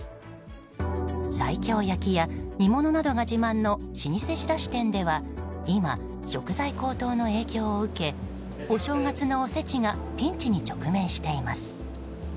西京焼きや煮物などが自慢の老舗仕出し店では今、食材高騰の影響を受けお正月のおせちがピンチに直面しています。